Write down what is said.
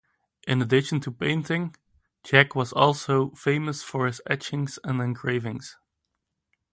In addition to painting, Jacque was also famous for his etchings and engravings.